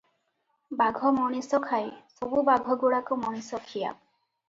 ବାଘ ମଣିଷ ଖାଏ - ସବୁବାଘ ଗୁଡ଼ାକ ମଣିଷଖିଆ?